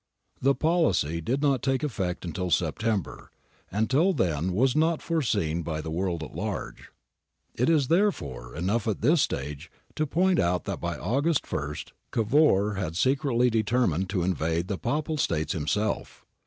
The policy did not take effect until September, and till then was not foreseen by the world at large. It is, therefore, enough at this stage to point out that by August i Cavour had secretly deter mined to invade the Papal States himself.